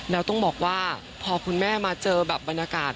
แล้วต้องบอกว่าพอคุณแม่มาเจอแบบบรรยากาศ